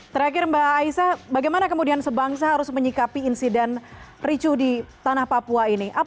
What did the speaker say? terakhir mbak aisah bagaimana kemudian sebangsa harus menyikapi insiden ricu di tanah papua ini